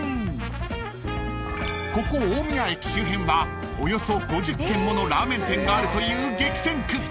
［ここ大宮駅周辺はおよそ５０軒ものラーメン店があるという激戦区］